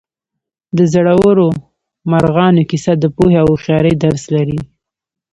د زړورو مارغانو کیسه د پوهې او هوښیارۍ درس لري.